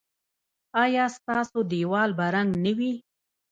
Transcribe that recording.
ایا ستاسو دیوال به رنګ نه وي؟